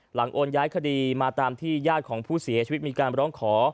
โอนย้ายคดีมาตามที่ญาติของผู้เสียชีวิตมีการร้องขอ